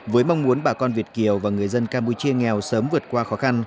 với mong muốn bà con việt kiều và người dân campuchia nghèo sớm vượt qua khó khăn